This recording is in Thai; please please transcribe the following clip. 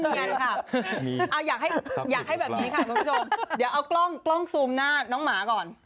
เดี๋ยวเอากล้องซูมหน้าน้องหมาก่อน